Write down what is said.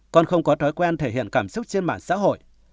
con không có thói quen thể hiện cảm xúc trên mạng xã hội